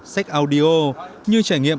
sách audio như trải nghiệm